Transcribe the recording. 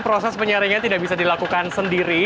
proses penyaringan tidak bisa dilakukan sendiri